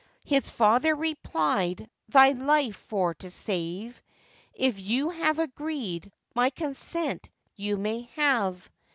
His father replied, 'Thy life for to save, If you have agreed, my consent you may have.